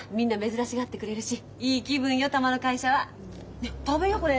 ねっ食べようこれ。